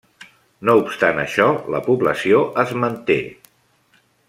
No obstant això la població es manté.